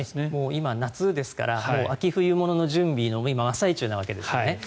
今、夏ですから秋冬物の準備の今、真っ最中なわけです。